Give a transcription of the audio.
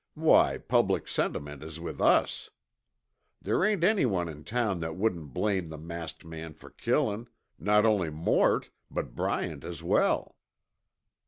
Why, public sentiment is with us! There ain't anyone in town that wouldn't blame the masked man for killing, not only Mort, but Bryant as well!"